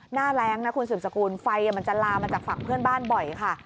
หน้าแรงนะคุณสืบสกุลไฟมันจะลามมาจากฝั่งเพื่อนบ้านบ่อยค่ะ